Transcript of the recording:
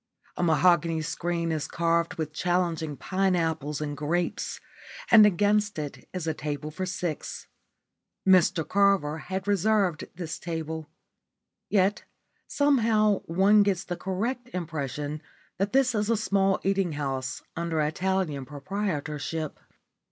A mahogany screen is carved with challenging pine apples and grapes, and against it is a table for six. Mr Carver had reserved this table. Yet somehow one gets the correct impression that this is a small eating house under Italian proprietorship.